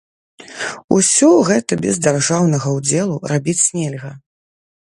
Усё гэта без дзяржаўнага ўдзелу рабіць нельга.